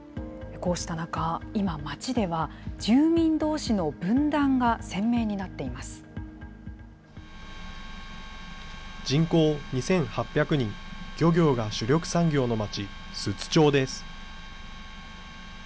こうした中、今、町では住民どうしの分断が鮮明になっていま人口２８００人、漁業が主力産業の町、寿都町です。